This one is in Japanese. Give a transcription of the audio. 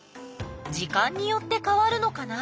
時間によってかわるのかな？